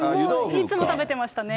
いつも食べてましたね。